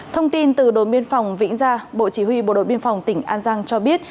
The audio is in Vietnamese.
thông tin từ đồn biên phòng vĩnh gia bộ chỉ huy bộ đội biên phòng tỉnh an giang cho biết